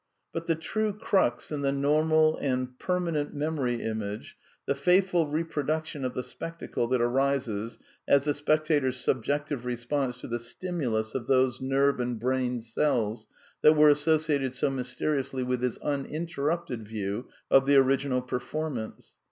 But the true crux is the normal and permanent memory image, the faithful reproduction of the spectacle that arises as the spectator's subjective response to the stimulus of those nerve and brain cells that were associated so mysteriously with his uninterrupted view of the original performance.